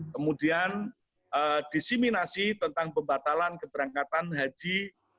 kemudian disiminasi tentang pembatalan keberangkatan haji